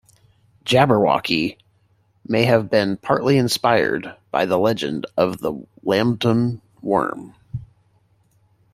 "Jabberwocky" may have been partly inspired by the legend of the Lambton Worm.